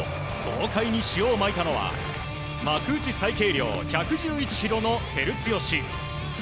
豪快に塩をまいたのは幕内最軽量１１１ｋｇの照強。